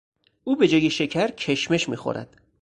او به جای شکر کشمش میخورد.